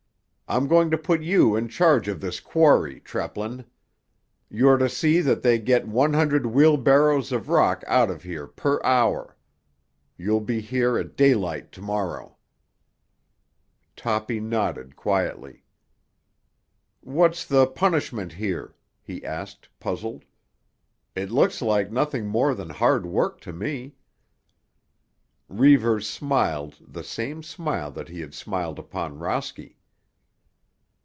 "I'm going to put you in charge of this quarry, Treplin. You're to see that they get one hundred wheelbarrows of rock out of here per hour. You'll be here at daylight to morrow." Toppy nodded quietly. "What's the punishment here?" he asked, puzzled. "It looks like nothing more than hard work to me." Reivers smiled the same smile that he had smiled upon Rosky.